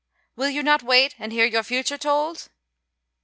"Will you not wait and hear your future told?"